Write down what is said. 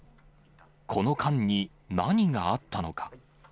この間に何があったのか。